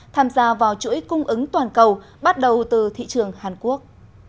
tham gia vào chuỗi cung ứng toàn cầu bắt đầu từ thị trường hàn quốc